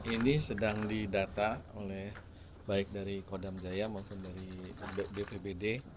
ini sedang didata oleh baik dari kodam jaya maupun dari bpbd